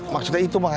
maksudnya itu mak